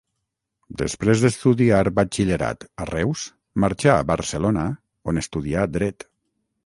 Després d'estudiar batxillerat a Reus marxà a Barcelona on estudià Dret.